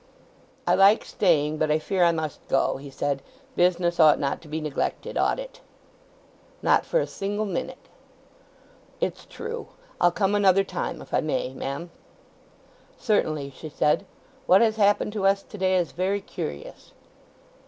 "I like staying; but I fear I must go!" he said. "Business ought not to be neglected, ought it?" "Not for a single minute." "It's true. I'll come another time—if I may, ma'am?" "Certainly," she said. "What has happened to us to day is very curious."